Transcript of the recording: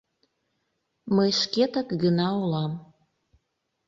Мый шкетак гына улам...